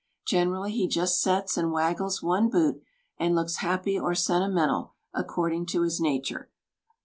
Generally he just sets and waggles one boot, and looks happy or sentimental, according to his nature.